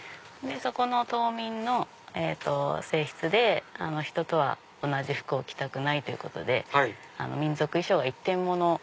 そこの島民の性質でひととは同じ服を着たくないということで民族衣装は一点物なので。